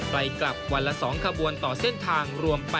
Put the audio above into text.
ไปกลับวันละ๒ขบวนต่อเส้นทางรวม